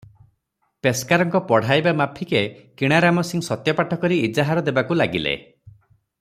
ପେସ୍କାରଙ୍କ ପଢ଼ାଇବା ମାଫିକେ କିଣାରାମ ସିଂ ସତ୍ୟପାଠ କରି ଇଜାହାର ଦେବାକୁ ଲାଗିଲେ ।